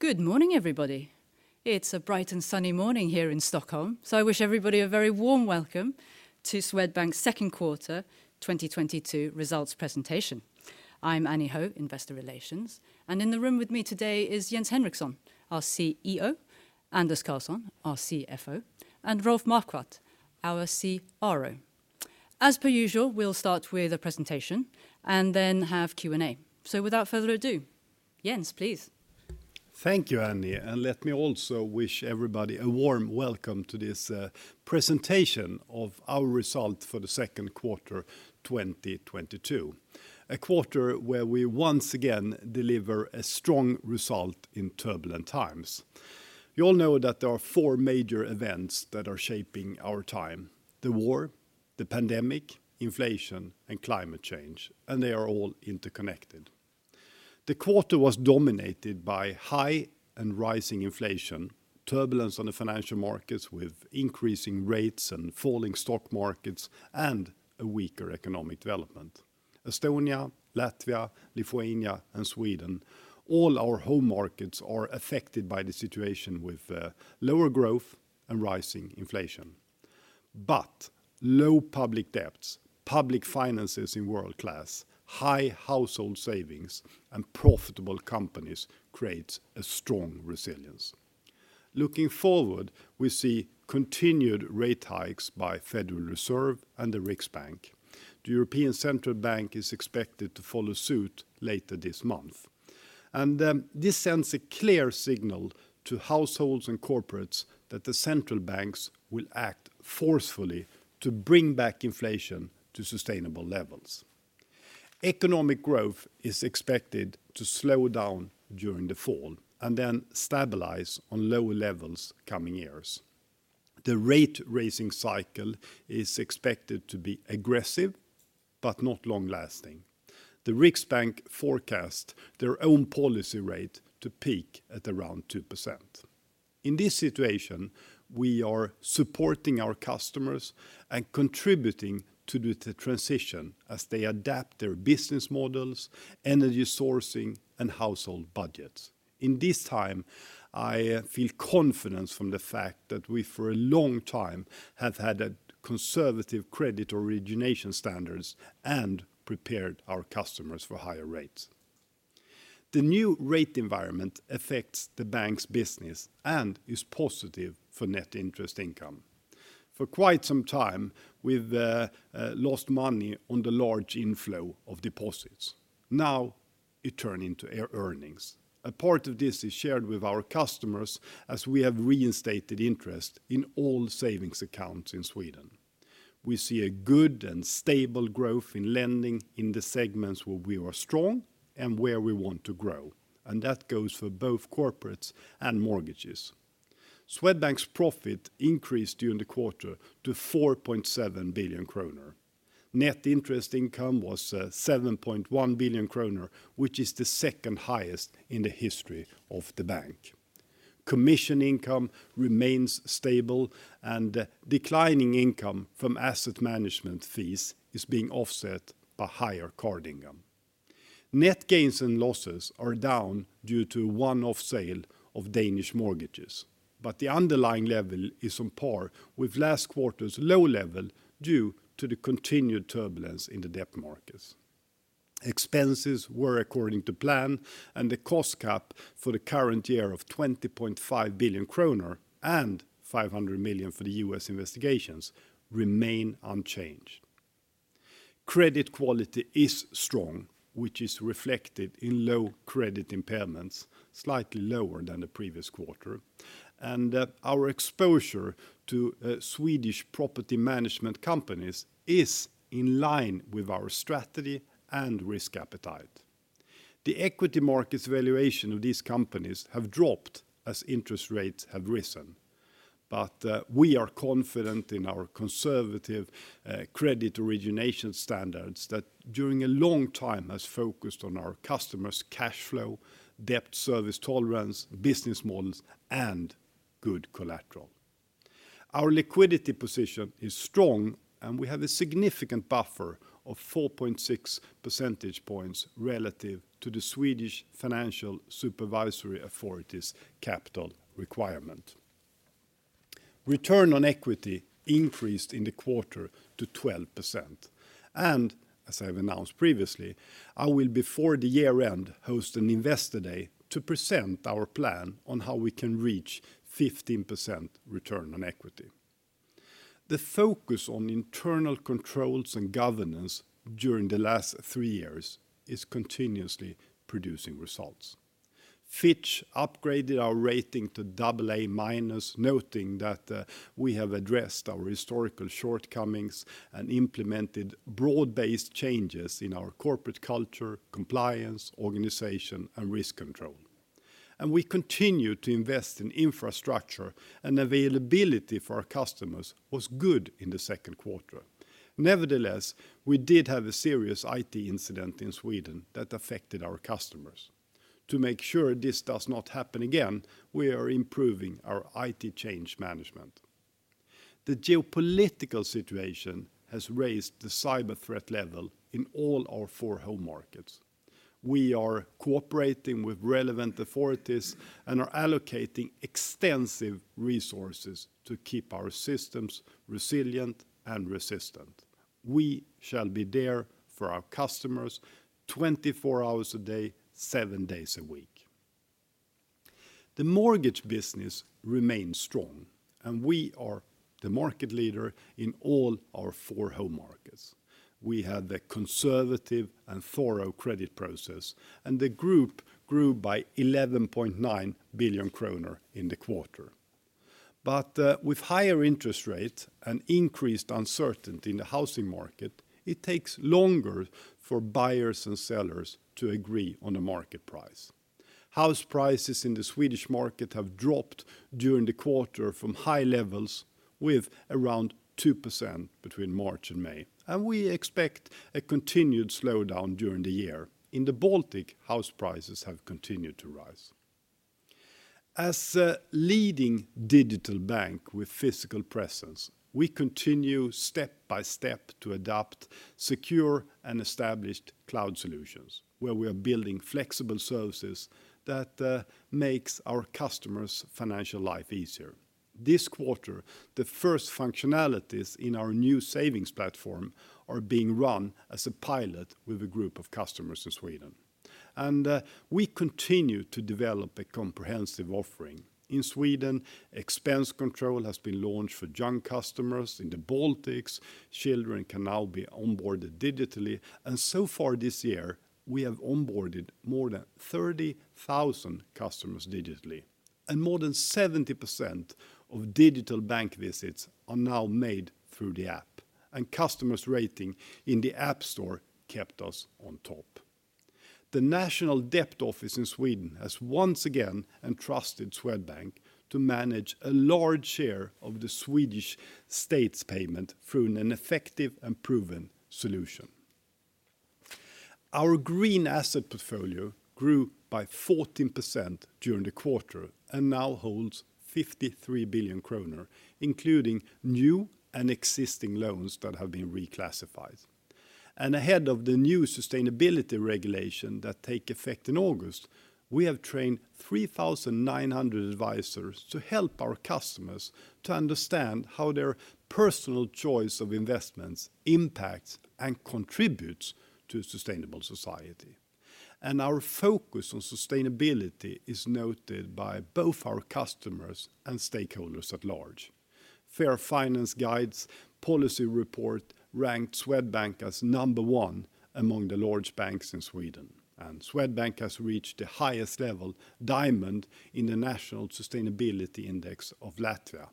Good morning, everybody. It's a bright and sunny morning here in Stockholm, so I wish everybody a very warm welcome to Swedbank's second quarter 2022 results presentation. I'm Annie Ho, Investor Relations, and in the room with me today is Jens Henriksson, our CEO, Anders Karlsson, our CFO, and Rolf Marquardt, our CRO. As per usual, we'll start with a presentation and then have Q&A. Without further ado, Jens, please. Thank you, Annie. Let me also wish everybody a warm welcome to this, presentation of our result for the second quarter 2022, a quarter where we once again deliver a strong result in turbulent times. You all know that there are four major events that are shaping our time. The war, the pandemic, inflation, and climate change, and they are all interconnected. The quarter was dominated by high and rising inflation, turbulence on the financial markets with increasing rates and falling stock markets, and a weaker economic development. Estonia, Latvia, Lithuania, and Sweden, all our home markets are affected by the situation with, lower growth and rising inflation. Low public debts, public finances in world-class, high household savings, and profitable companies creates a strong resilience. Looking forward, we see continued rate hikes by Federal Reserve and the Riksbank. The European Central Bank is expected to follow suit later this month. This sends a clear signal to households and corporates that the central banks will act forcefully to bring back inflation to sustainable levels. Economic growth is expected to slow down during the fall and then stabilize on lower levels coming years. The rate-raising cycle is expected to be aggressive but not long-lasting. The Riksbank forecast their own policy rate to peak at around 2%. In this situation, we are supporting our customers and contributing to the transition as they adapt their business models, energy sourcing, and household budgets. In this time, I feel confidence from the fact that we, for a long time, have had a conservative credit origination standards and prepared our customers for higher rates. The new rate environment affects the bank's business and is positive for net interest income. For quite some time, we've lost money on the large inflow of deposits. Now it turns into earnings. A part of this is shared with our customers as we have reinstated interest in all savings accounts in Sweden. We see a good and stable growth in lending in the segments where we are strong and where we want to grow, and that goes for both corporates and mortgages. Swedbank's profit increased during the quarter to 4.7 billion kronor. Net interest income was 7.1 billion kronor, which is the second highest in the history of the bank. Commission income remains stable, and declining income from asset management fees is being offset by higher card income. Net gains and losses are down due to one-off sale of Danish mortgages, but the underlying level is on par with last quarter's low level due to the continued turbulence in the debt markets. Expenses were according to plan, and the cost cap for the current year of 20.5 billion kronor and $500 million for the US investigations remain unchanged. Credit quality is strong, which is reflected in low credit impairments, slightly lower than the previous quarter. Our exposure to Swedish property management companies is in line with our strategy and risk appetite. The equity market's valuation of these companies have dropped as interest rates have risen. We are confident in our conservative credit origination standards that during a long time has focused on our customers' cash flow, debt service tolerance, business models, and good collateral. Our liquidity position is strong, and we have a significant buffer of 4.6 percentage points relative to the Swedish Financial Supervisory Authority's capital requirement. Return on equity increased in the quarter to 12%. As I've announced previously, I will before the year end host an Investor Day to present our plan on how we can reach 15% return on equity. The focus on internal controls and governance during the last 3 years is continuously producing results. Fitch upgraded our rating to AA-, noting that we have addressed our historical shortcomings and implemented broad-based changes in our corporate culture, compliance, organization, and risk control. We continue to invest in infrastructure, and availability for our customers was good in the second quarter. Nevertheless, we did have a serious IT incident in Sweden that affected our customers. To make sure this does not happen again, we are improving our IT change management. The geopolitical situation has raised the cyber threat level in all our four home markets. We are cooperating with relevant authorities and are allocating extensive resources to keep our systems resilient and resistant. We shall be there for our customers twenty-four hours a day, seven days a week. The mortgage business remains strong, and we are the market leader in all our four home markets. We have the conservative and thorough credit process, and the group grew by 11.9 billion kronor in the quarter. With higher interest rates and increased uncertainty in the housing market, it takes longer for buyers and sellers to agree on a market price. House prices in the Swedish market have dropped during the quarter from high levels with around 2% between March and May, and we expect a continued slowdown during the year. In the Baltic, house prices have continued to rise. As a leading digital bank with physical presence, we continue step by step to adopt secure and established cloud solutions where we are building flexible services that makes our customers' financial life easier. This quarter, the first functionalities in our new savings platform are being run as a pilot with a group of customers in Sweden. We continue to develop a comprehensive offering. In Sweden, expense control has been launched for young customers. In the Baltics, children can now be onboarded digitally. Far this year, we have onboarded more than 30,000 customers digitally. More than 70% of digital bank visits are now made through the app. Customers rating in the App Store kept us on top. The Swedish National Debt Office has once again entrusted Swedbank to manage a large share of the Swedish state's payment through an effective and proven solution. Our green asset portfolio grew by 14% during the quarter and now holds 53 billion kronor, including new and existing loans that have been reclassified. Ahead of the new sustainability regulation that take effect in August, we have trained 3,900 advisors to help our customers to understand how their personal choice of investments impacts and contributes to a sustainable society. Our focus on sustainability is noted by both our customers and stakeholders at large. Fair Finance Guide's policy report ranked Swedbank as number one among the large banks in Sweden. Swedbank has reached the highest level, Diamond, in the National Sustainability Index of Latvia.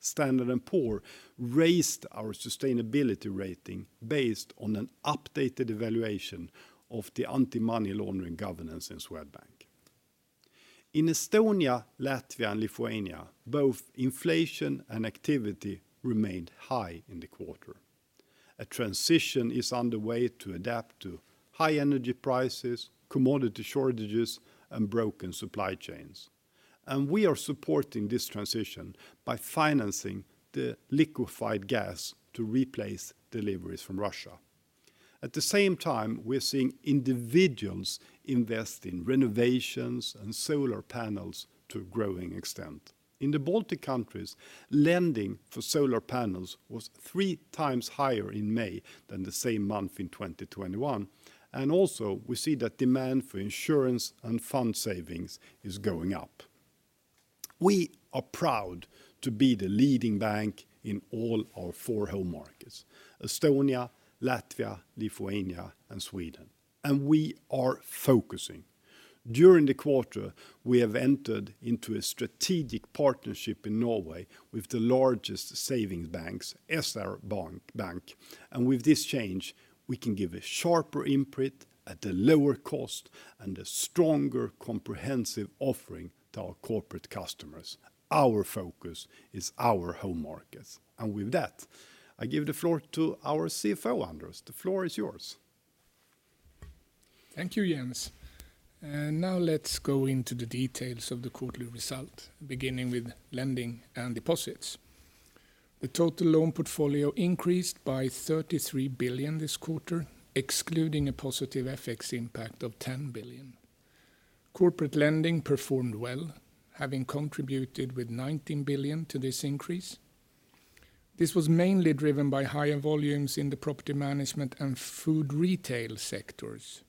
Standard & Poor's raised our sustainability rating based on an updated evaluation of the anti-money laundering governance in Swedbank. In Estonia, Latvia, and Lithuania, both inflation and activity remained high in the quarter. A transition is underway to adapt to high energy prices, commodity shortages, and broken supply chains. We are supporting this transition by financing the liquefied gas to replace deliveries from Russia. At the same time, we're seeing individuals invest in renovations and solar panels to a growing extent. In the Baltic countries, lending for solar panels was three times higher in May than the same month in 2021. Also we see that demand for insurance and fund savings is going up. We are proud to be the leading bank in all our four home markets, Estonia, Latvia, Lithuania, and Sweden. We are focusing. During the quarter, we have entered into a strategic partnership in Norway with the largest savings banks, SpareBank 1 SR-Bank. With this change, we can give a sharper imprint at a lower cost and a stronger comprehensive offering to our corporate customers. Our focus is our home markets. With that, I give the floor to our CFO, Anders. The floor is yours. Thank you, Jens. Now let's go into the details of the quarterly result, beginning with lending and deposits. The total loan portfolio increased by 33 billion this quarter, excluding a positive FX impact of 10 billion. Corporate lending performed well, having contributed with 19 billion to this increase. This was mainly driven by higher volumes in the property management and food retail sectors.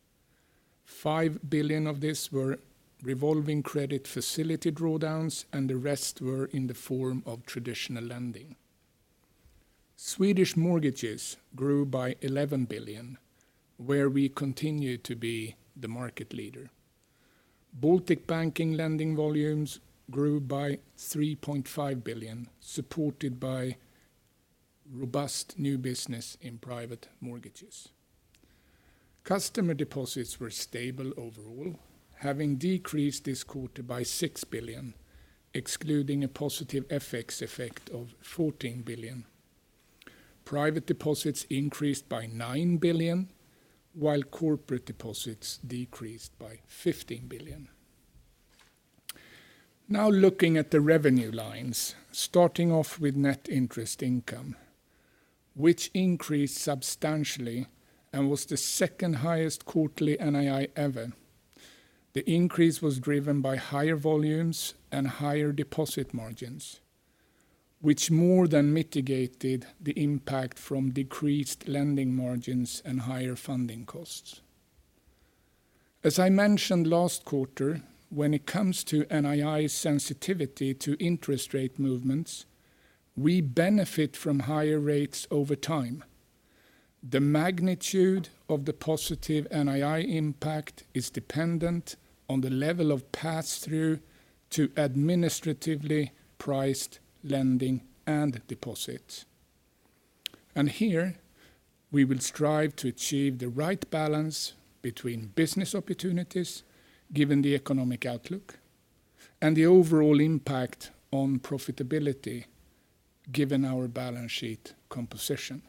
5 billion of this were revolving credit facility drawdowns, and the rest were in the form of traditional lending. Swedish mortgages grew by 11 billion, where we continue to be the market leader. Baltic banking lending volumes grew by 3.5 billion, supported by robust new business in private mortgages. Customer deposits were stable overall, having decreased this quarter by 6 billion, excluding a positive FX effect of 14 billion. Private deposits increased by 9 billion, while corporate deposits decreased by 15 billion. Now looking at the revenue lines, starting off with net interest income, which increased substantially and was the second highest quarterly NII ever. The increase was driven by higher volumes and higher deposit margins, which more than mitigated the impact from decreased lending margins and higher funding costs. As I mentioned last quarter, when it comes to NII sensitivity to interest rate movements, we benefit from higher rates over time. The magnitude of the positive NII impact is dependent on the level of pass-through to administratively priced lending and deposits. Here we will strive to achieve the right balance between business opportunities given the economic outlook and the overall impact on profitability given our balance sheet composition.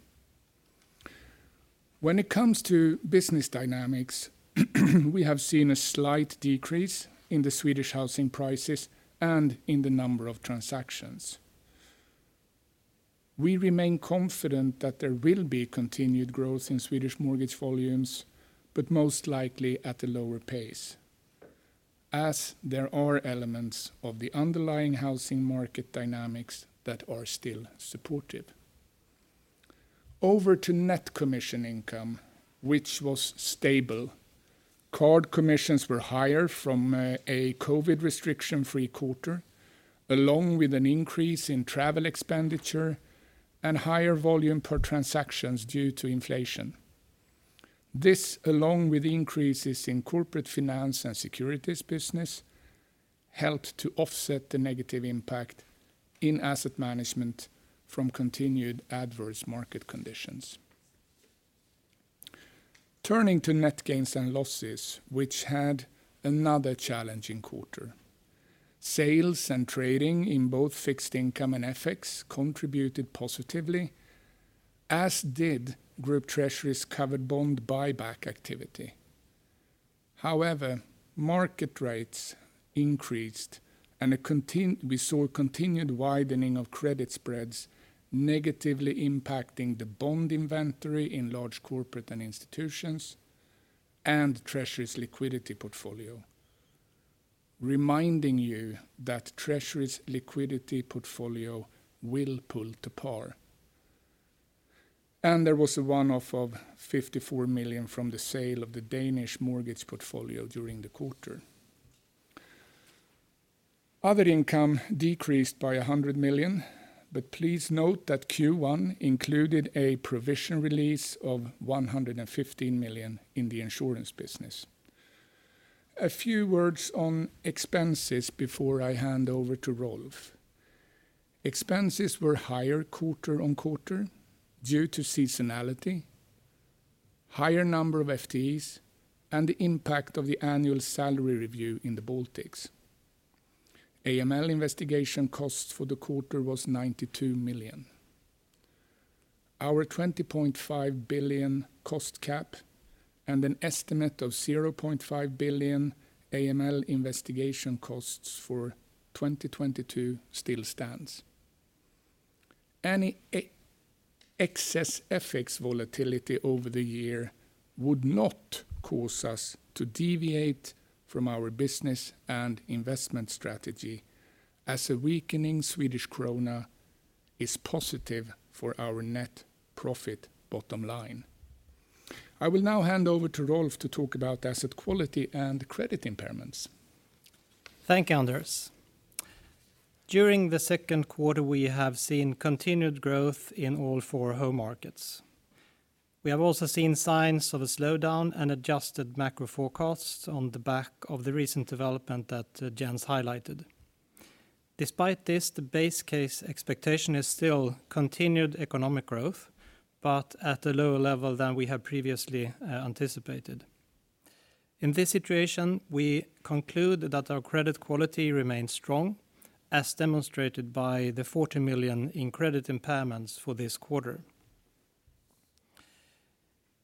When it comes to business dynamics, we have seen a slight decrease in the Swedish housing prices and in the number of transactions. We remain confident that there will be continued growth in Swedish mortgage volumes, but most likely at a lower pace as there are elements of the underlying housing market dynamics that are still supportive. Over to net commission income, which was stable. Card commissions were higher from a COVID restriction-free quarter, along with an increase in travel expenditure and higher volume per transactions due to inflation. This, along with increases in corporate finance and securities business, helped to offset the negative impact in asset management from continued adverse market conditions. Turning to net gains and losses, which had another challenging quarter. Sales and trading in both fixed income and FX contributed positively, as did group treasuries covered bond buyback activity. However, market rates increased and we saw a continued widening of credit spreads negatively impacting the bond inventory in Large Corporates & Institutions and Treasury liquidity portfolio, reminding you that Treasury liquidity portfolio will pull to par. There was a one-off of 54 million from the sale of the Danish mortgage portfolio during the quarter. Other income decreased by 100 million, but please note that Q1 included a provision release of 115 million in the insurance business. A few words on expenses before I hand over to Rolf. Expenses were higher quarter-on-quarter due to seasonality, higher number of FTEs, and the impact of the annual salary review in the Baltics. AML investigation costs for the quarter was 92 million. Our 20.5 billion cost cap and an estimate of 0.5 billion AML investigation costs for 2022 still stands. Any excess FX volatility over the year would not cause us to deviate from our business and investment strategy as a weakening Swedish krona is positive for our net profit bottom line. I will now hand over to Rolf to talk about asset quality and credit impairments. Thank you, Anders. During the second quarter, we have seen continued growth in all four home markets. We have also seen signs of a slowdown and adjusted macro forecasts on the back of the recent development that Jens highlighted. Despite this, the base case expectation is still continued economic growth, but at a lower level than we have previously anticipated. In this situation, we conclude that our credit quality remains strong, as demonstrated by 40 million in credit impairments for this quarter.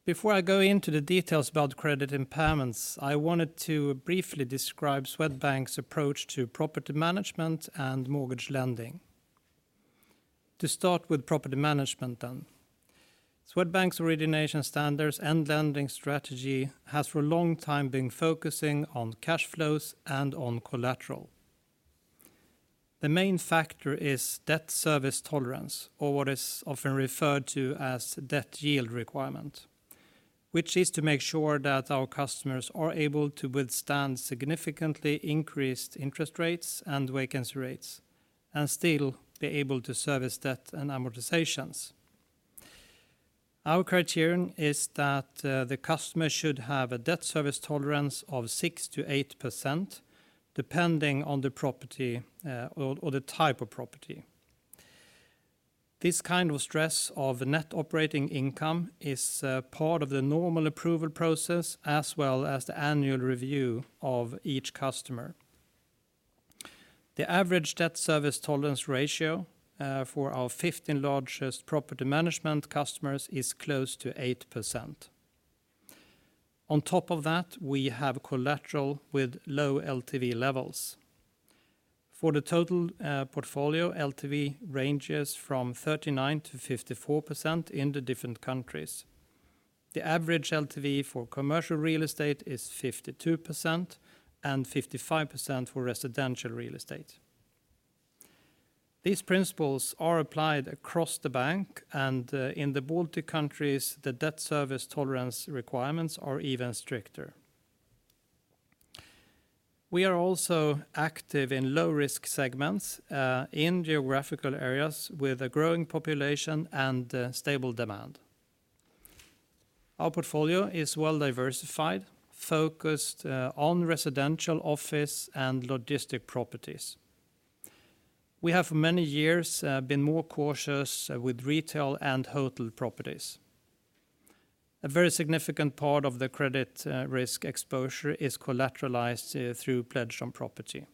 Before I go into the details about credit impairments, I wanted to briefly describe Swedbank's approach to property management and mortgage lending. To start with property management then. Swedbank's origination standards and lending strategy has for a long time been focusing on cash flows and on collateral. The main factor is debt service tolerance or what is often referred to as debt yield requirement, which is to make sure that our customers are able to withstand significantly increased interest rates and vacancy rates and still be able to service debt and amortizations. Our criterion is that the customer should have a debt service tolerance of 6%-8%, depending on the property or the type of property. This kind of stress of the net operating income is part of the normal approval process as well as the annual review of each customer. The average debt service tolerance ratio for our 15 largest property management customers is close to 8%. On top of that, we have collateral with low LTV levels. For the total portfolio, LTV ranges from 39%-54% in the different countries. The average LTV for commercial real estate is 52% and 55% for residential real estate. These principles are applied across the bank and in the Baltic countries, the debt service coverage requirements are even stricter. We are also active in low-risk segments in geographical areas with a growing population and stable demand. Our portfolio is well-diversified, focused on residential, office, and logistics properties. We have for many years been more cautious with retail and hotel properties. A very significant part of the credit risk exposure is collateralized through pledge on property.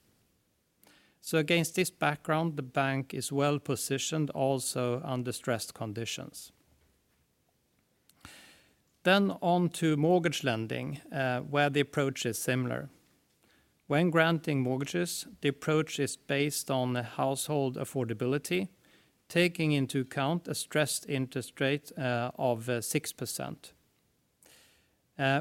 Against this background, the bank is well-positioned also under stressed conditions. On to mortgage lending, where the approach is similar. When granting mortgages, the approach is based on the household affordability, taking into account a stressed interest rate of 6%.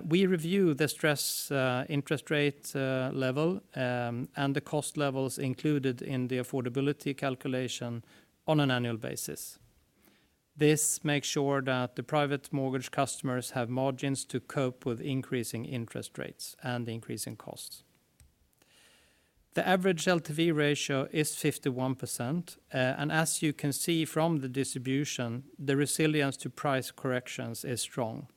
We review the stress interest rate level and the cost levels included in the affordability calculation on an annual basis. This makes sure that the private mortgage customers have margins to cope with increasing interest rates and increasing costs. The average LTV ratio is 51%, and as you can see from the distribution, the resilience to price corrections is strong.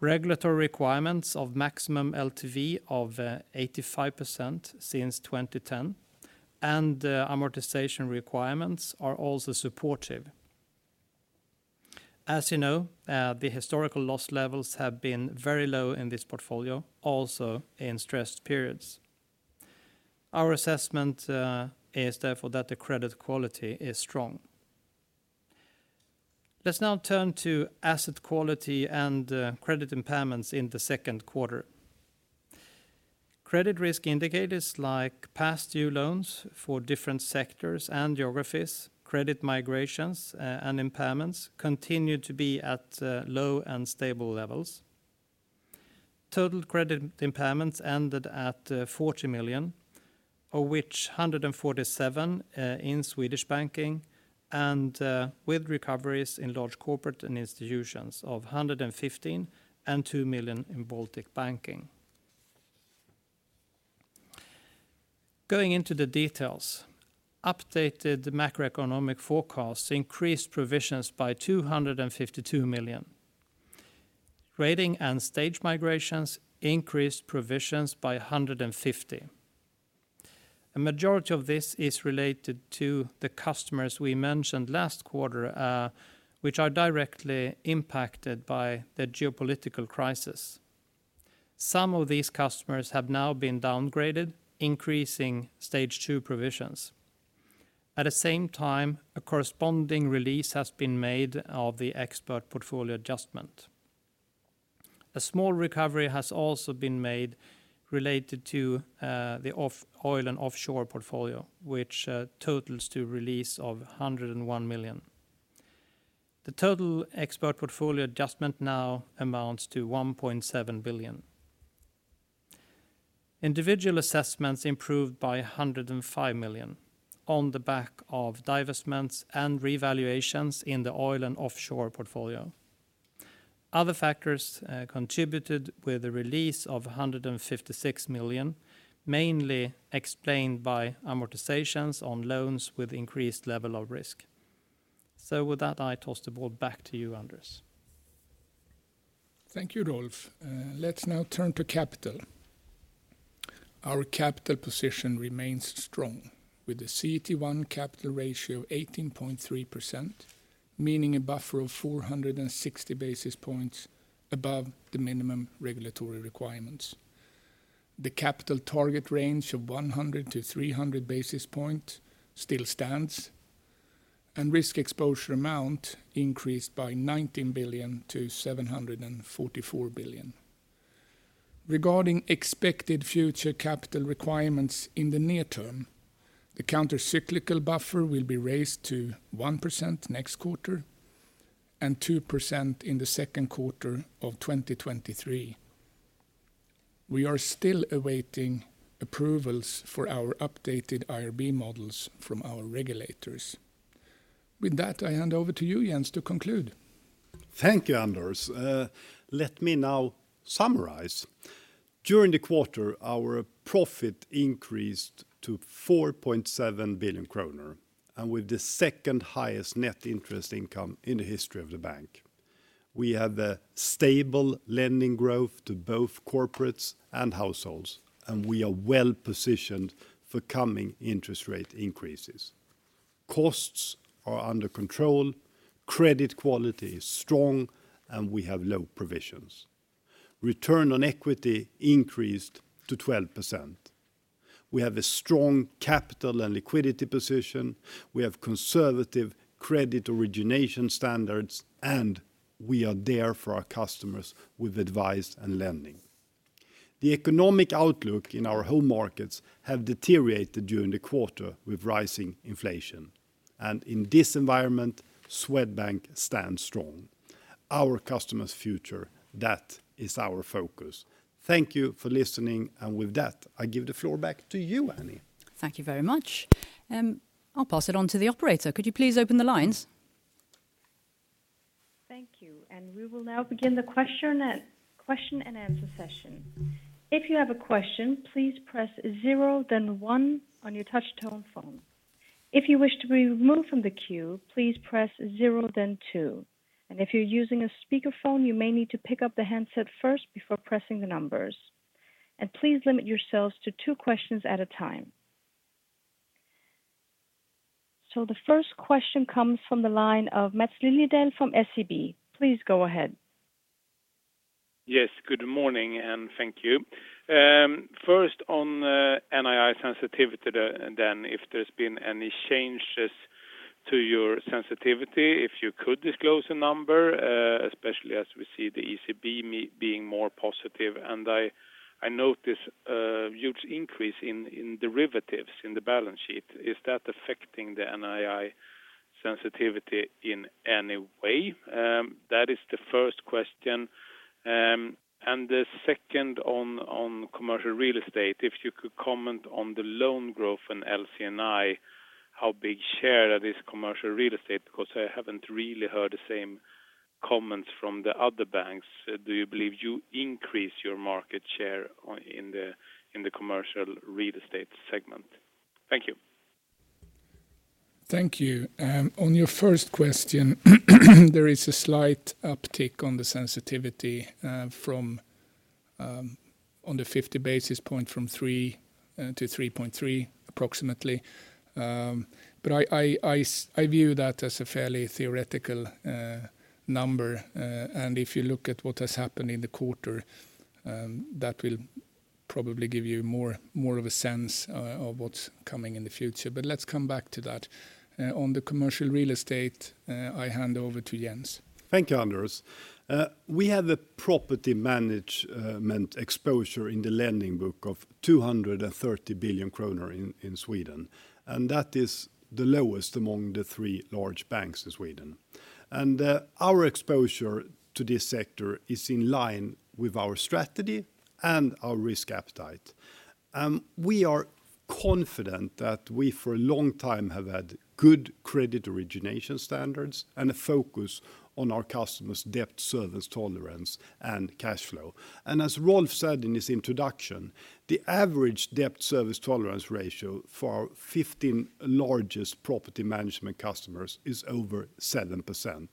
Regulatory requirements of maximum LTV of 85% since 2010 and amortization requirements are also supportive. As you know, the historical loss levels have been very low in this portfolio, also in stressed periods. Our assessment is therefore that the credit quality is strong. Let's now turn to asset quality and credit impairments in the second quarter. Credit risk indicators like past due loans for different sectors and geographies, credit migrations, and impairments continue to be at low and stable levels. Total credit impairments ended at 40 million, of which 147 million in Swedish banking and with recoveries in Large Corporates & Institutions of 115 million and 2 million in Baltic banking. Going into the details, updated macroeconomic forecasts increased provisions by SEK 252 million. Rating and stage migrations increased provisions by SEK 150 million. A majority of this is related to the customers we mentioned last quarter, which are directly impacted by the geopolitical crisis. Some of these customers have now been downgraded, increasing stage two provisions. At the same time, a corresponding release has been made of the equity portfolio adjustment. A small recovery has also been made related to the oil and offshore portfolio, which totals to release of 101 million. The total credit portfolio adjustment now amounts to 1.7 billion. Individual assessments improved by 105 million on the back of divestments and revaluations in the oil and offshore portfolio. Other factors contributed with a release of 156 million, mainly explained by amortizations on loans with increased level of risk. With that, I toss the ball back to you, Anders. Thank you, Rolf. Let's now turn to capital. Our capital position remains strong with the CET1 capital ratio 18.3%, meaning a buffer of 460 basis points above the minimum regulatory requirements. The capital target range of 100 to 300 basis points still stands, and risk exposure amount increased by 19 billion to 744 billion. Regarding expected future capital requirements in the near term, the countercyclical buffer will be raised to 1% next quarter and 2% in the second quarter of 2023. We are still awaiting approvals for our updated IRB models from our regulators. With that, I hand over to you, Jens, to conclude. Thank you, Anders. Let me now summarize. During the quarter, our profit increased to 4.7 billion kronor, and with the second highest net interest income in the history of the bank. We have a stable lending growth to both corporates and households, and we are well-positioned for coming interest rate increases. Costs are under control, credit quality is strong, and we have low provisions. Return on equity increased to 12%. We have a strong capital and liquidity position. We have conservative credit origination standards, and we are there for our customers with advice and lending. The economic outlook in our home markets have deteriorated during the quarter with rising inflation. In this environment, Swedbank stands strong. Our customers' future, that is our focus. Thank you for listening. With that, I give the floor back to you, Annie. Thank you very much. I'll pass it on to the operator. Could you please open the lines? Thank you. We will now begin the question and answer session. If you have a question, please press zero then one on your touch-tone phone. If you wish to be removed from the queue, please press zero then two. If you're using a speakerphone, you may need to pick up the handset first before pressing the numbers. Please limit yourselves to two questions at a time. The first question comes from the line of [Mats Liss] from SEB. Please go ahead. Yes, good morning and thank you. First on the NII sensitivity, then if there's been any changes to your sensitivity, if you could disclose a number, especially as we see the ECB being more positive. I notice a huge increase in derivatives in the balance sheet. Is that affecting the NII sensitivity in any way? That is the first question. The second on commercial real estate, if you could comment on the loan growth in LC&I, how big share of this commercial real estate? Because I haven't really heard the same comments from the other banks. Do you believe you increase your market share in the commercial real estate segment? Thank you. Thank you. On your first question, there is a slight uptick on the sensitivity from on the 50 basis point from 3 to 3.3, approximately. I view that as a fairly theoretical number. If you look at what has happened in the quarter, that will probably give you more of a sense of what's coming in the future. Let's come back to that. On the commercial real estate, I hand over to Jens. Thank you, Anders. We have a property management exposure in the lending book of 230 billion kronor in Sweden, and that is the lowest among the three large banks in Sweden. Our exposure to this sector is in line with our strategy and our risk appetite. We are confident that we, for a long time, have had good credit origination standards and a focus on our customers' debt service tolerance and cash flow. As Rolf said in his introduction, the average debt service tolerance ratio for our 15 largest property management customers is over 7%.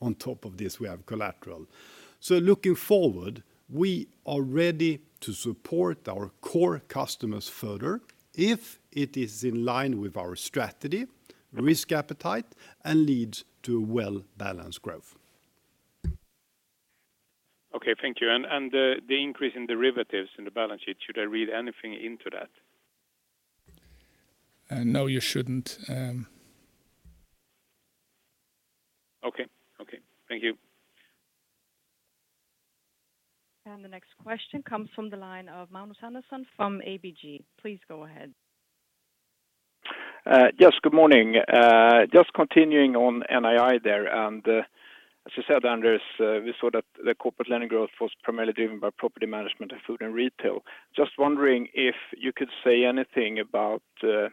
On top of this, we have collateral. Looking forward, we are ready to support our core customers further if it is in line with our strategy, risk appetite, and leads to a well-balanced growth. Okay, thank you. The increase in derivatives in the balance sheet, should I read anything into that? No, you shouldn't. Okay. Okay. Thank you. The next question comes from the line of Magnus Alvesson from ABG. Please go ahead. Yes, good morning. Just continuing on NII there. As you said, Anders, we saw that the corporate lending growth was primarily driven by property management and food and retail. Just wondering if you could say anything about the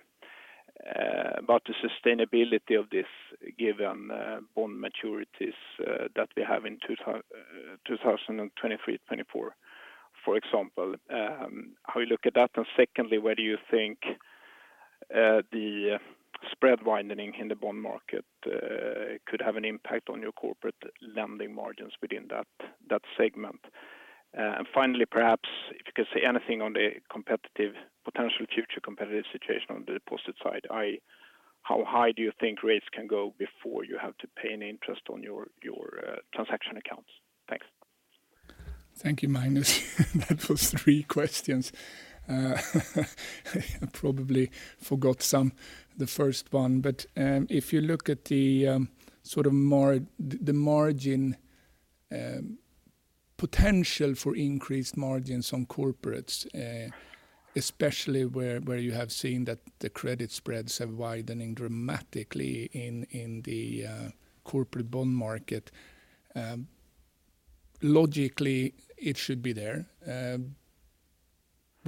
sustainability of this given bond maturities that we have in 2023, 2024, for example. How you look at that? And secondly, where do you think the spread widening in the bond market could have an impact on your corporate lending margins within that segment? And finally, perhaps if you could say anything on the competitive potential future competitive situation on the deposit side. How high do you think rates can go before you have to pay any interest on your transaction accounts? Thanks. Thank you, Magnus. That was three questions. I probably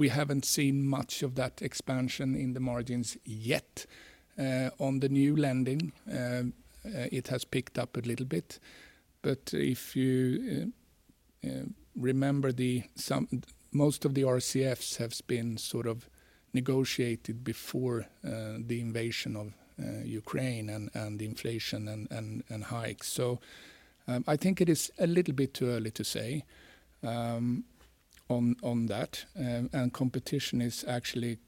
forgot the first one. If you look at the margin potential for increased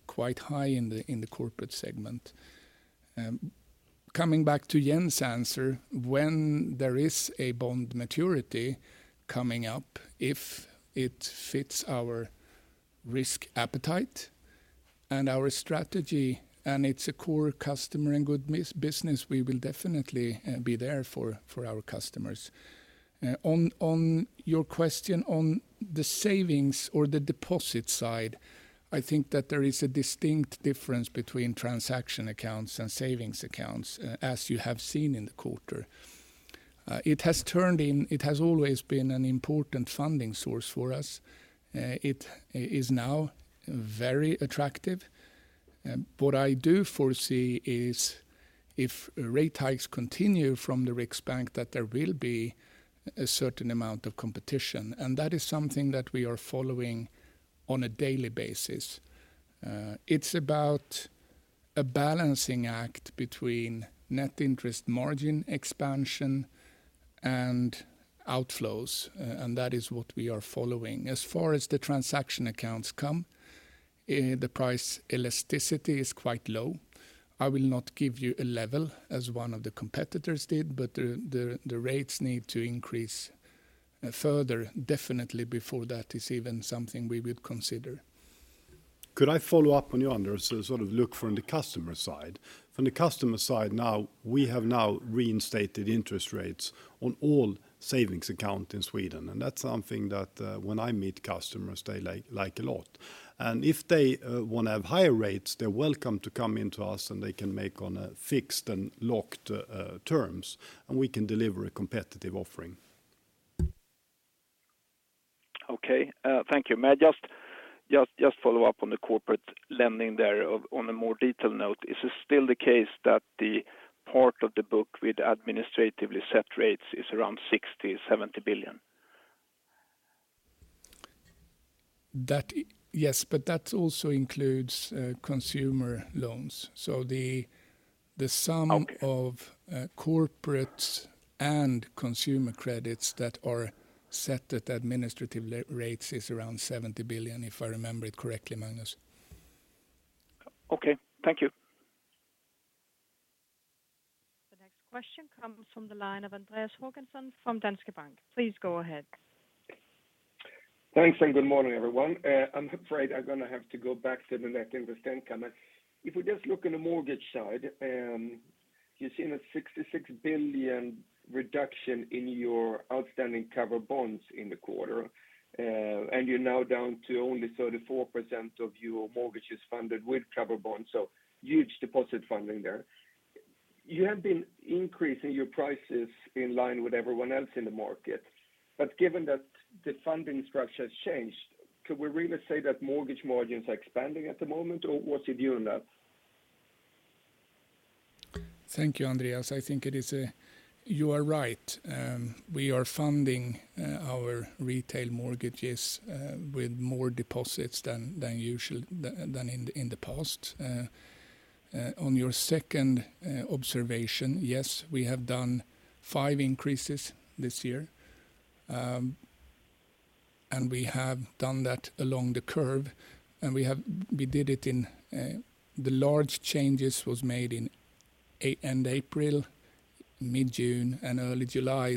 margins on corporates, especially where you have seen that the credit spreads are widening dramatically Yes, but that also includes consumer loans. The sum- Okay Of corporates and consumer credits that are set at administrative rates is around 70 billion, if I remember it correctly, Magnus. Okay. Thank you. The next question comes from the line of Andreas Håkansson from Danske Bank. Please go ahead. Thanks, good morning, everyone. I'm afraid I'm gonna have to go back to the net interest income. If we just look on the mortgage side, you've seen a 66 billion reduction in your outstanding covered bonds in the quarter, and you're now down to only 34% of your mortgages funded with covered bonds, so huge deposit funding there. You have been increasing your prices in line with everyone else in the market. Given that the funding structure has changed, could we really say that mortgage margins are expanding at the moment, or what's your view on that? Thank you, Andreas. I think it is. You are right. We are funding our retail mortgages with more deposits than usual than in the past. On your second observation, yes, we have done 5 increases this year, and we have done that along the curve. We did it in end April, mid-June, and early July. The large changes was made in end April, mid-June, and early July.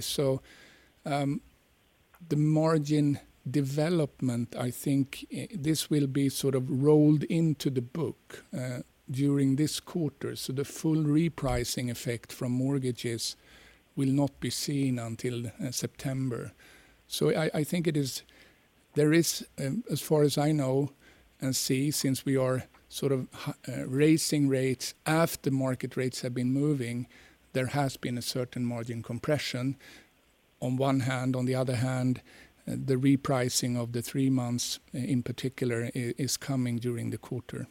The margin development, I think, this will be sort of rolled into the book during this quarter. The full repricing effect from mortgages will not be seen until September. I think it is. There is, as far as I know and see, since we are sort of raising rates after market rates have been moving, there has been a certain margin compression on one hand. On the other hand, the repricing of the three months in particular is coming during the quarter.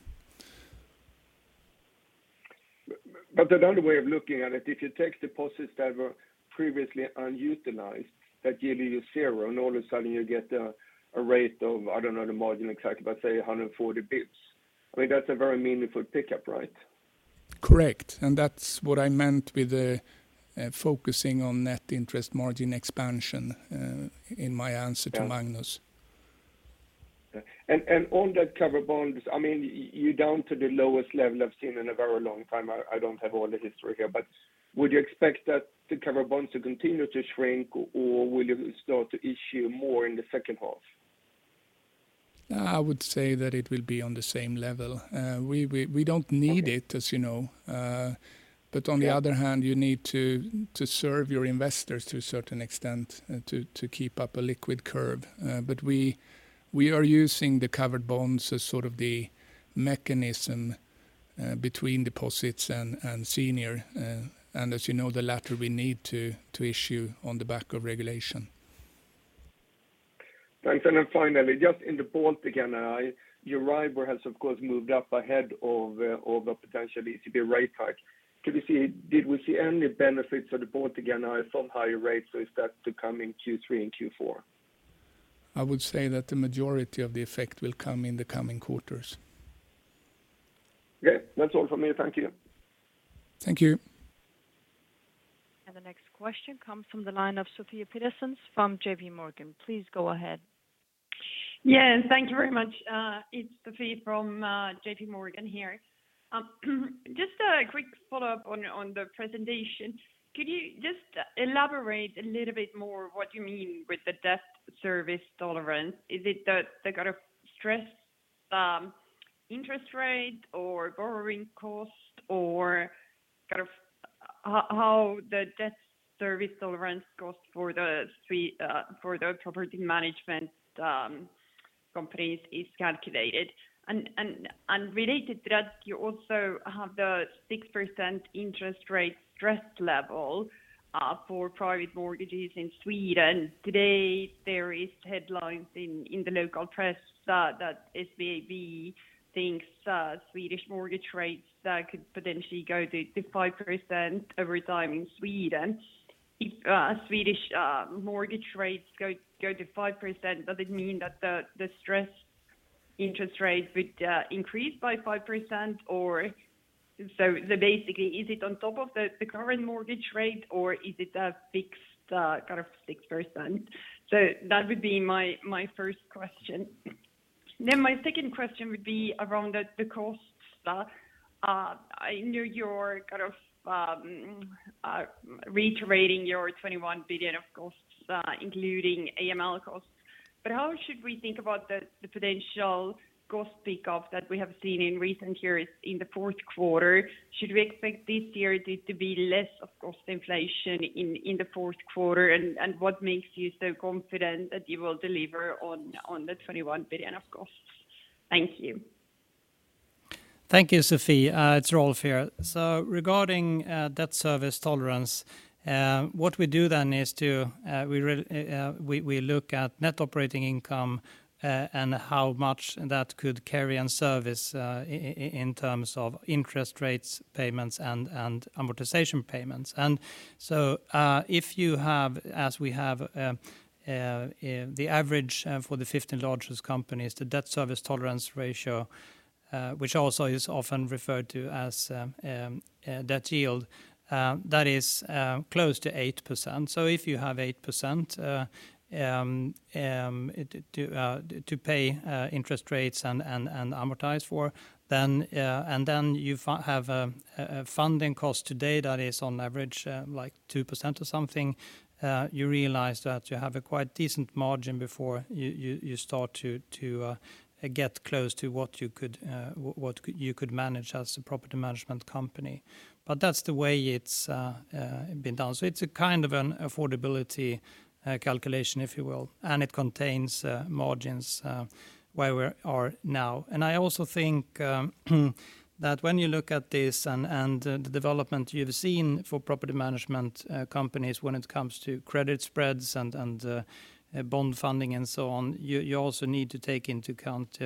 Another way of looking at it, if you take deposits that were previously unutilized, that give you zero, and all of a sudden you get a rate of, I don't know the margin exactly, but say 140 basis points. I mean, that's a very meaningful pickup, right? Correct. That's what I meant with the focusing on net interest margin expansion in my answer. Yeah To Magnus. On that covered bonds, I mean, you're down to the lowest level I've seen in a very long time. I don't have all the history here. Would you expect that the covered bonds to continue to shrink, or will you start to issue more in the second half? I would say that it will be on the same level. We don't need it. Okay As you know. On the other hand. Yeah You need to serve your investors to a certain extent, to keep up a liquid curve. We are using the covered bonds as sort of the mechanism between deposits and senior. As you know, the latter we need to issue on the back of regulation. Thanks. Finally, just in the Baltic NII, your rate has of course moved up ahead of a potential ECB rate hike. Did we see any benefits of the Baltic NII from higher rates, or is that to come in Q3 and Q4? I would say that the majority of the effect will come in the coming quarters. Okay. That's all for me. Thank you. Thank you. The next question comes from the line of [Sophie Lund-Yates] from J.P. Morgan. Please go ahead. Yeah. Thank you very much. It's Sophie from J.P. Morgan here. Just a quick follow-up on the presentation. Could you just elaborate a little bit more what you mean with the debt service tolerance? Is it the kind of stress interest rate or borrowing cost or kind of how the debt service tolerance cost for the three for the property management companies is calculated? Related to that, you also have the 6% interest rate stress level for private mortgages in Sweden. Today, there is headlines in the local press that SBAB thinks Swedish mortgage rates could potentially go to 5% over time in Sweden. If Swedish mortgage rates go to 5%, does it mean that the stress interest rate would increase by 5%? Basically, is it on top of the current mortgage rate, or is it a fixed kind of 6%? That would be my first question. My second question would be around the costs. I know you're kind of reiterating your 21 billion of costs, including AML costs, but how should we think about the potential cost pick-up that we have seen in recent years in the fourth quarter? Should we expect this year it to be less of cost inflation in the fourth quarter? What makes you so confident that you will deliver on the 21 billion of costs? Thank you. Thank you, Sophie. It's Rolf here. Regarding debt service coverage ratio, what we do then is to look at net operating income and how much that could carry and service in terms of interest rates, payments, and amortization payments. If you have, as we have, the average for the 15 largest companies, the debt service coverage ratio, which also is often referred to as debt yield, that is close to 8%. If you have 8% to pay interest rates and amortize for, then you have a funding cost today that is on average like 2% or something, you realize that you have a quite decent margin before you start to get close to what you could manage as a property management company. That's the way it's been done. It's a kind of an affordability calculation, if you will, and it contains margins where we are now. I also think that when you look at this and the development you've seen for property management companies when it comes to credit spreads and bond funding and so on, you also need to take into account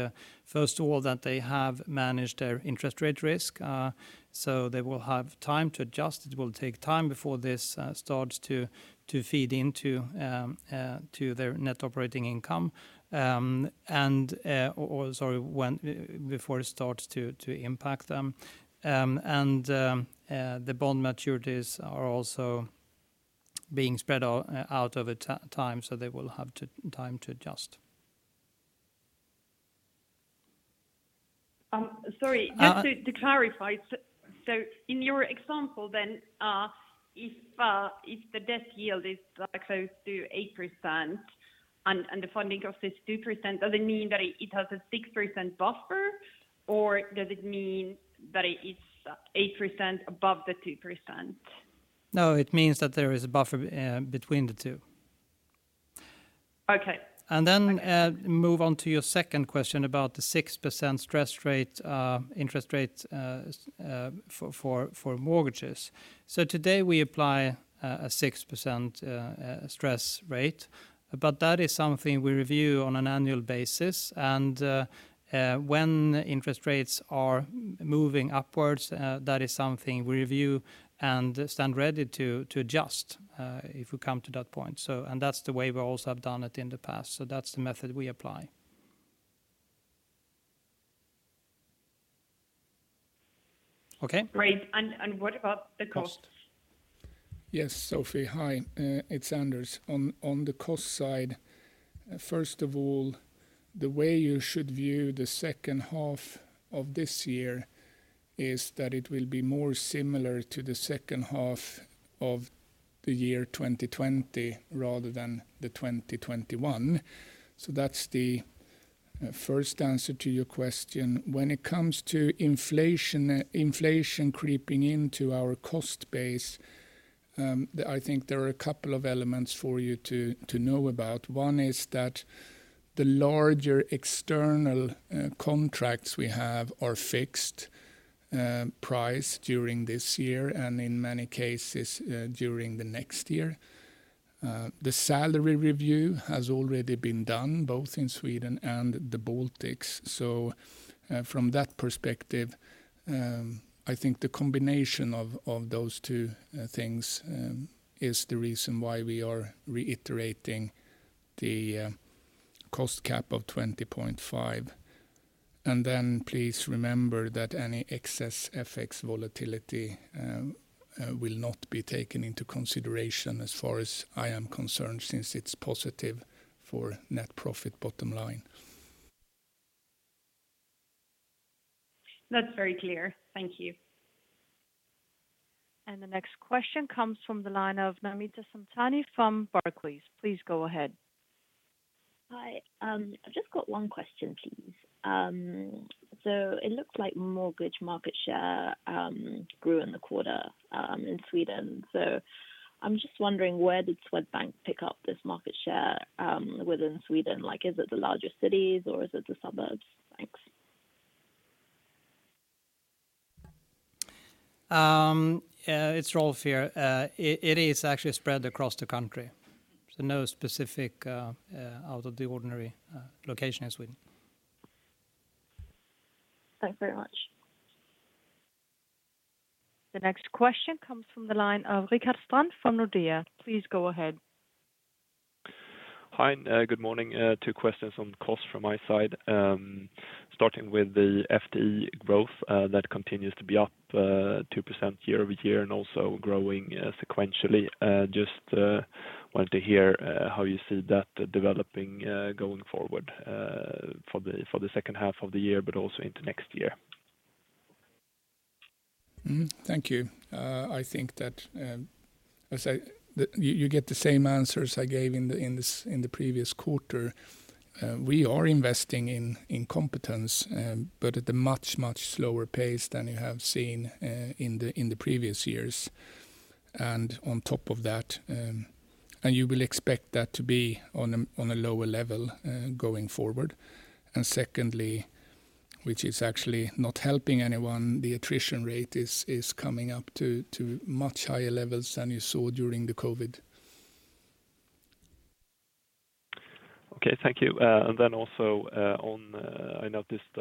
first of all that they have managed their interest rate risk so they will have time to adjust. It will take time before this starts to feed into their net operating income. Before it starts to impact them. The bond maturities are also being spread out over time, so they will have time to adjust. Sorry. Just to clarify. In your example then, if the debt yield is, like, close to 8% and the funding cost is 2%, does it mean that it has a 6% buffer, or does it mean that it's 8% above the 2%? No, it means that there is a buffer between the two. Okay. Move on to your second question about the 6% stress interest rate for mortgages. Today we apply a 6% stress rate, but that is something we review on an annual basis. when interest rates are moving upwards, that is something we review and stand ready to adjust if we come to that point. That's the way we also have done it in the past. That's the method we apply. Okay. Great. What about the costs? Yes. Sophie, hi, it's Anders. On the cost side, first of all, the way you should view the second half of this year is that it will be more similar to the second half of the year 2020 rather than the 2021. That's the first answer to your question. When it comes to inflation creeping into our cost base, I think there are a couple of elements for you to know about. One is that the larger external contracts we have are fixed price during this year and in many cases during the next year. The salary review has already been done both in Sweden and the Baltics. From that perspective, I think the combination of those two things is the reason why we are reiterating the cost cap of 20.5. Please remember that any excess FX volatility will not be taken into consideration as far as I am concerned, since it's positive for net profit bottom line. That's very clear. Thank you. The next question comes from the line of Namita Samtani from Barclays. Please go ahead. Hi. I've just got one question, please. It looks like mortgage market share grew in the quarter in Sweden. I'm just wondering, where did Swedbank pick up this market share within Sweden? Like, is it the larger cities or is it the suburbs? Thanks. Yeah, it's Rolf here. It is actually spread across the country. No specific out of the ordinary location in Sweden. Thanks very much. The next question comes from the line of Rickard Strand from Nordea. Please go ahead. Hi, good morning. Two questions on cost from my side. Starting with the FTE growth, that continues to be up 2% year-over-year and also growing sequentially. Just wanted to hear how you see that developing going forward for the second half of the year but also into next year. Thank you. I think that you get the same answers I gave in the previous quarter. We are investing in competence, but at a much slower pace than you have seen in the previous years. On top of that, you will expect that to be on a lower level going forward. Secondly, which is actually not helping anyone, the attrition rate is coming up to much higher levels than you saw during the COVID. Okay. Thank you. I noticed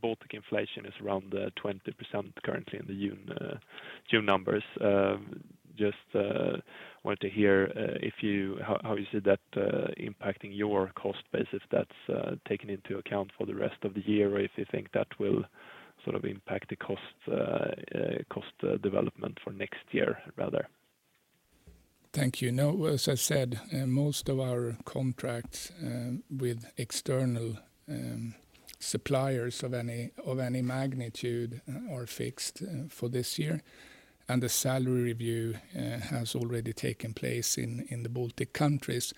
Baltic inflation is around 20% currently in the June numbers. Just wanted to hear how you see that impacting your cost base if that's taken into account for the rest of the year, or if you think that will sort of impact the cost development for next year rather. Thank you. No, as I said, most of our contracts with external suppliers of any magnitude are fixed for this year, and the salary review has already taken place in the Baltic countries.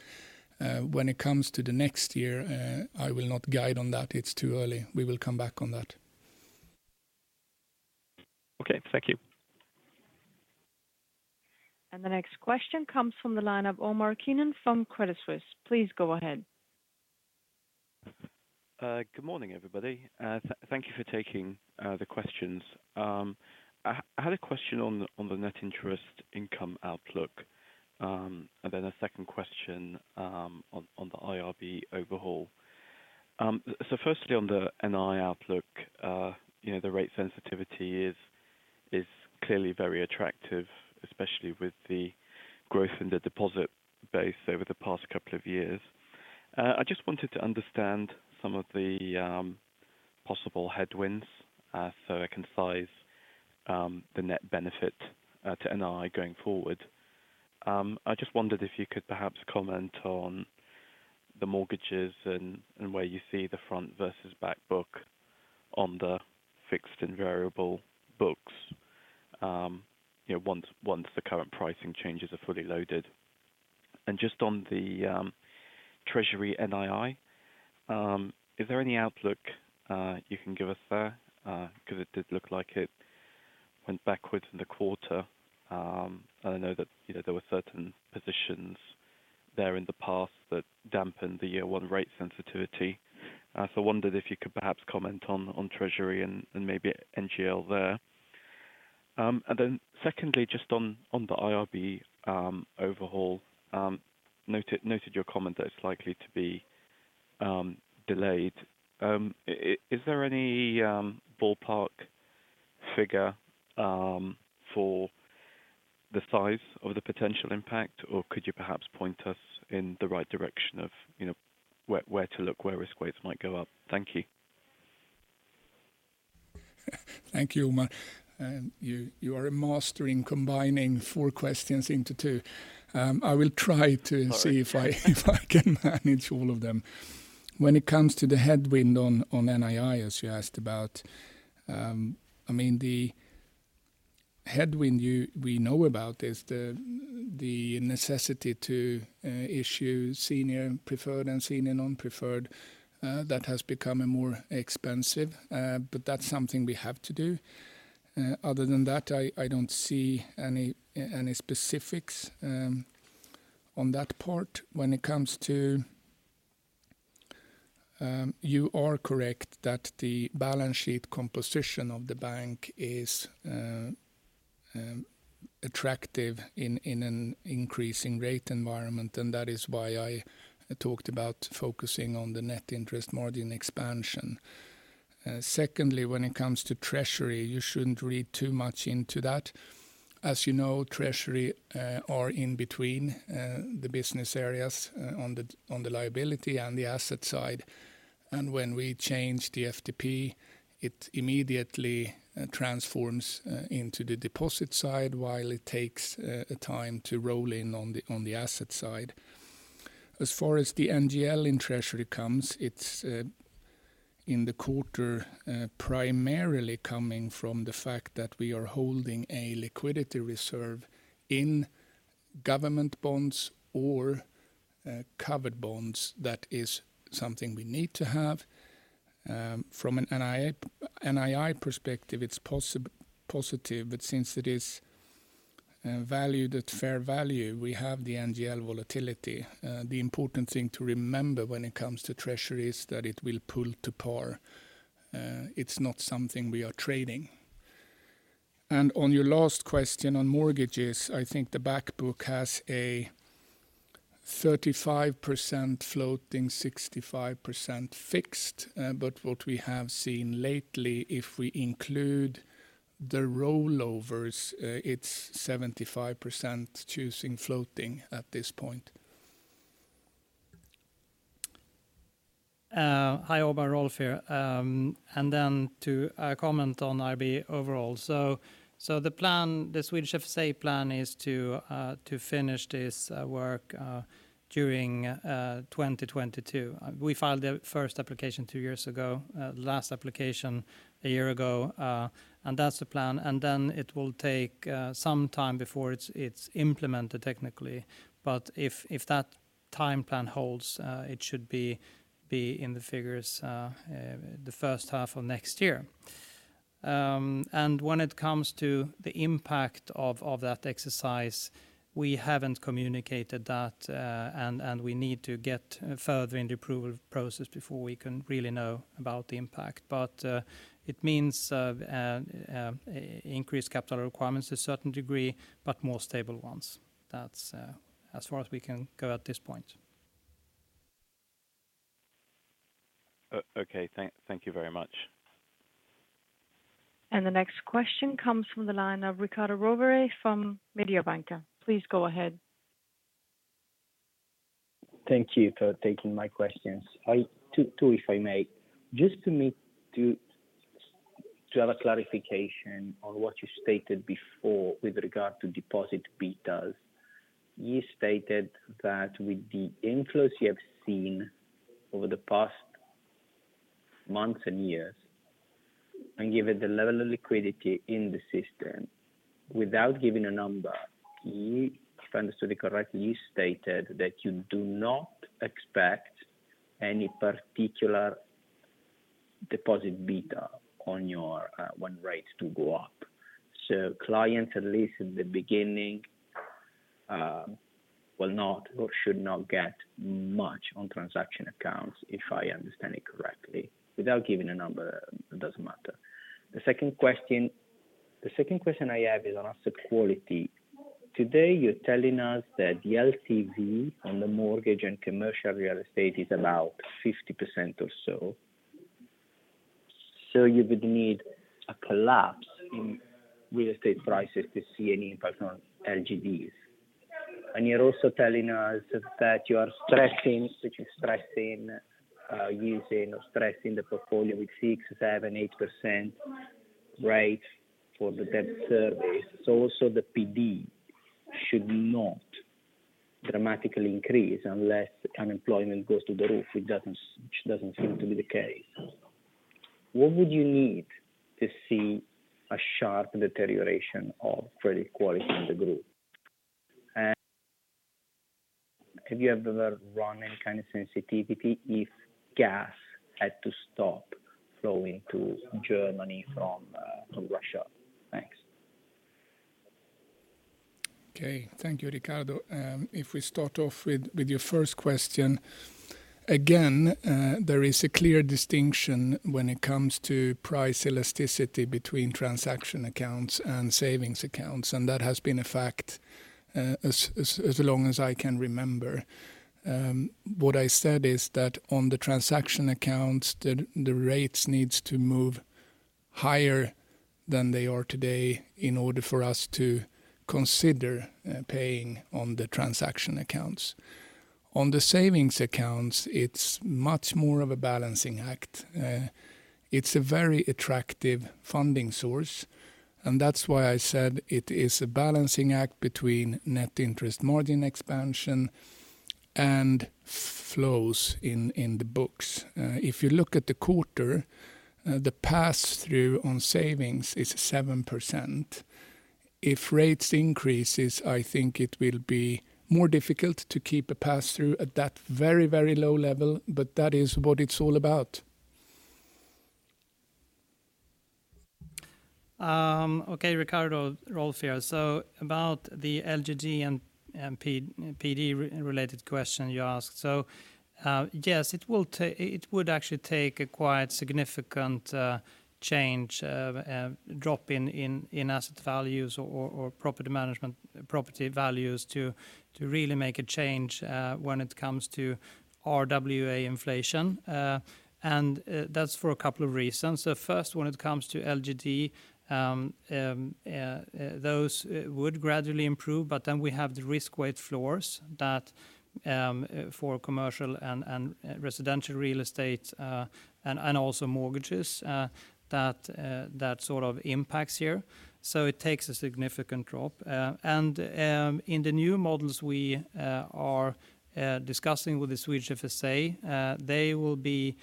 When it comes to the next year, I will not guide on that. It's too early. We will come back on that. Okay. Thank you. The next question comes from the line of Omar Keenan from Credit Suisse. Please go ahead. Good morning, everybody. Thank you for taking the questions. I had a question on the net interest income outlook, and then a second question on the IRB overhaul. Firstly on the NI outlook, you know, the rate sensitivity is clearly very attractive, especially with the growth in the deposit base over the past couple of years. I just wanted to understand some of the possible headwinds, so I can size the net benefit to NI going forward. I just wondered if you could perhaps comment on the mortgages and where you see the front versus back book on the fixed and variable books, you know, once the current pricing changes are fully loaded. Just on the treasury NII, is there any outlook you can give us there? 'Cause it did look like it went backwards in the quarter. I know that, you know, there were certain positions there in the past that dampened the year one rate sensitivity. So wondered if you could perhaps comment on treasury and maybe NGL there. Then secondly, just on the IRB overhaul, noted your comment that it's likely to be delayed. Is there any ballpark figure for the size of the potential impact, or could you perhaps point us in the right direction of, you know, where to look where risk weights might go up? Thank you. Thank you, Omar. You are a master in combining four questions into two. I will try to. Sorry. See if I can manage all of them. When it comes to the headwind on NII, as you asked about, I mean, the headwind we know about is the necessity to issue senior preferred and senior non-preferred. That has become more expensive, but that's something we have to do. Other than that, I don't see any specifics on that part. When it comes to you are correct that the balance sheet composition of the bank is attractive in an increasing rate environment, and that is why I talked about focusing on the net interest margin expansion. Secondly, when it comes to treasury, you shouldn't read too much into that. As you know, treasury are in between the business areas on the liability and the asset side. When we change the FTP, it immediately transforms into the deposit side while it takes a time to roll in on the asset side. As far as the NGL in treasury comes, it's in the quarter primarily coming from the fact that we are holding a liquidity reserve in government bonds or covered bonds. That is something we need to have. From an NII perspective, it's positive, but since it is valued at fair value, we have the NGL volatility. The important thing to remember when it comes to treasury is that it will pull to par. It's not something we are trading. On your last question on mortgages, I think the back book has a 35% floating, 65% fixed. What we have seen lately, if we include the rollovers, it's 75% choosing floating at this point. Hi, Rolf Marquardt here. To comment on IRB overall. The plan, the Swedish FSA plan is to finish this work during 2022. We filed the first application two years ago, the last application a year ago, and that's the plan. It will take some time before it's implemented technically. If that time plan holds, it should be in the figures the first half of next year. When it comes to the impact of that exercise, we haven't communicated that, and we need to get further in the approval process before we can really know about the impact. It means increased capital requirements to a certain degree, but more stable ones. That's, as far as we can go at this point. Okay. Thank you very much. The next question comes from the line of Riccardo Rovere from Mediobanca. Please go ahead. Thank you for taking my questions. Two if I may. Just to have a clarification on what you stated before with regard to deposit betas. You stated that with the inflows you have seen over the past months and years, and given the level of liquidity in the system, without giving a number, you, if I understood it correctly, you stated that you do not expect any particular deposit beta on your when rates to go up. Clients, at least in the beginning, will not or should not get much on transaction accounts, if I understand it correctly. Without giving a number, it doesn't matter. The second question I have is on asset quality. Today, you're telling us that the LTV on the mortgage and commercial real estate is about 50% or so. You would need a collapse in real estate prices to see any impact on LGDs. You're also telling us that you are stressing the portfolio with 6%-8% rates for the debt service. Also the PD should not dramatically increase unless unemployment goes through the roof. Which doesn't seem to be the case. What would you need to see a sharp deterioration of credit quality in the group? Have you ever run any kind of sensitivity if gas had to stop flowing to Germany from Russia? Thanks. Okay. Thank you, Riccardo. If we start off with your first question, again, there is a clear distinction when it comes to price elasticity between transaction accounts and savings accounts, and that has been a fact as long as I can remember. What I said is that on the transaction accounts, the rates needs to move higher than they are today in order for us to consider paying on the transaction accounts. On the savings accounts, it's much more of a balancing act. It's a very attractive funding source, and that's why I said it is a balancing act between net interest margin expansion and flows in the books. If you look at the quarter, the pass-through on savings is 7%. If rates increases, I think it will be more difficult to keep a pass-through at that very, very low level, but that is what it's all about. Rolf Marquardt here. About the LGD and PD-related question you asked. Yes, it would actually take a quite significant drop in asset values or property values to really make a change when it comes to RWA inflation. That's for a couple of reasons. First, when it comes to LGD, those would gradually improve, but then we have the risk weight floors that for commercial and residential real estate and also mortgages that sort of impacts here. It takes a significant drop. In the new models we are discussing with the Swedish FSA, they will be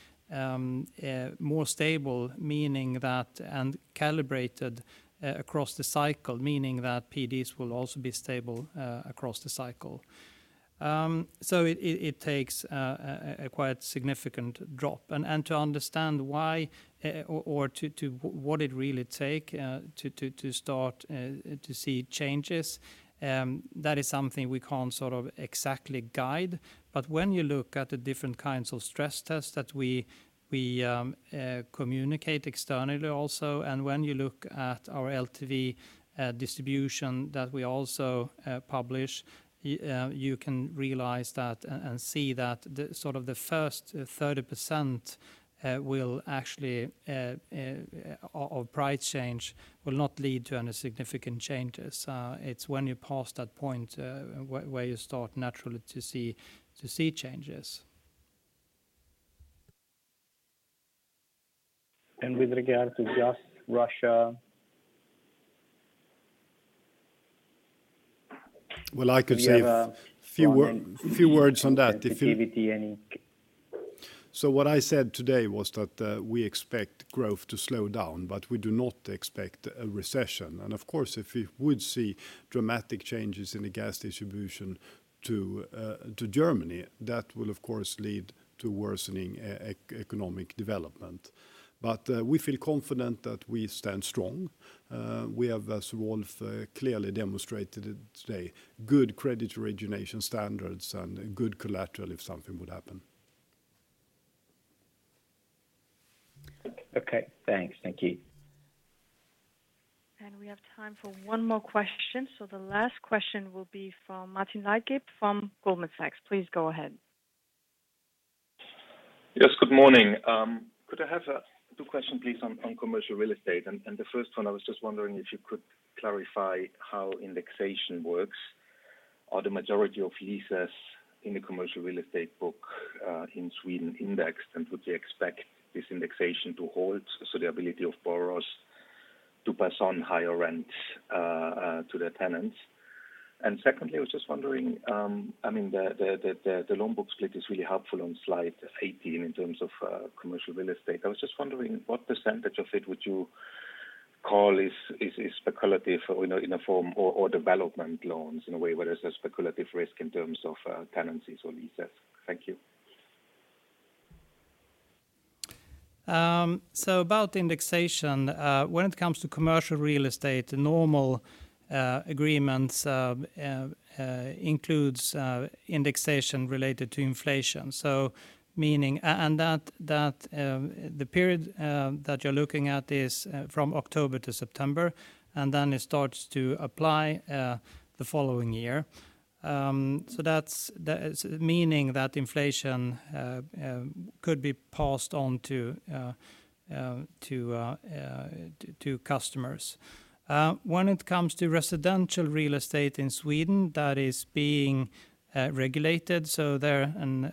more stable, meaning that and calibrated across the cycle, meaning that PDs will also be stable across the cycle. It takes a quite significant drop. To understand why, or to what it really takes to start to see changes, that is something we can't sort of exactly guide. When you look at the different kinds of stress tests that we communicate externally also, and when you look at our LTV distribution that we also publish, you can realize that and see that the sort of the first 30% will actually. A price change will not lead to any significant changes. It's when you pass that point, where you start naturally to see changes. With regard to just Russia. Well, I could say. Do you have a- Few words on that. Any... What I said today was that we expect growth to slow down, but we do not expect a recession. Of course, if we would see dramatic changes in the gas distribution to Germany, that will of course lead to worsening economic development. We feel confident that we stand strong. We have, as Rolf clearly demonstrated today, good credit origination standards and good collateral if something would happen. Okay. Thanks. Thank you. We have time for one more question, so the last question will be from Martin Ekstedt from Handelsbanken. Please go ahead. Yes, good morning. Could I have two question please on commercial real estate? The first one, I was just wondering if you could clarify how indexation works. Are the majority of leases in the commercial real estate book in Sweden indexed? Would you expect this indexation to hold, so the ability of borrowers to pass on higher rents to the tenants? Secondly, I was just wondering, I mean, the loan book split is really helpful on slide 18 in terms of commercial real estate. I was just wondering what percentage of it would you call is speculative, you know, in a form or development loans, in a way, where there's a speculative risk in terms of tenancies or leases? Thank you. About indexation, when it comes to commercial real estate, the normal agreements includes indexation related to inflation. That the period that you're looking at is from October to September, and then it starts to apply the following year. That's meaning that inflation could be passed on to customers. When it comes to residential real estate in Sweden, that is being regulated, so there an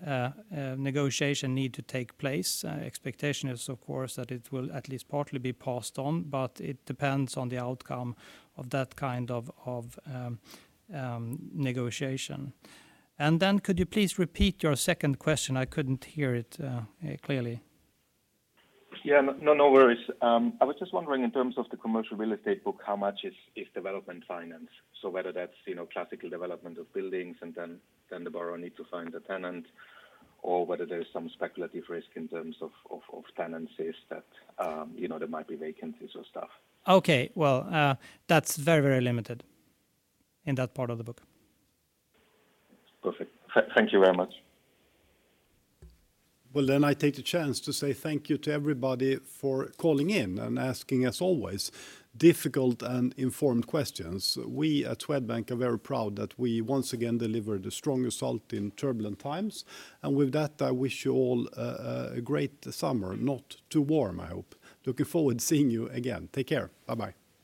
negotiation need to take place. Expectation is of course that it will at least partly be passed on, but it depends on the outcome of that kind of negotiation. Then could you please repeat your second question? I couldn't hear it clearly. Yeah. No, no worries. I was just wondering in terms of the commercial real estate book, how much is development finance? So whether that's, you know, classical development of buildings and then the borrower need to find a tenant, or whether there's some speculative risk in terms of tenancies that, you know, there might be vacancies or stuff. Okay. Well, that's very, very limited in that part of the book. Perfect. Thank you very much. Well, I take the chance to say thank you to everybody for calling in and asking, as always, difficult and informed questions. We at Swedbank are very proud that we once again delivered a strong result in turbulent times. With that, I wish you all a great summer. Not too warm, I hope. Looking forward to seeing you again. Take care. Bye-bye.